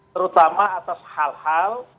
terutama atas hal hal